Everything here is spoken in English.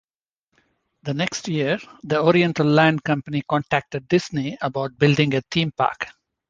The next year, The Oriental Land Company contacted Disney about building a theme park.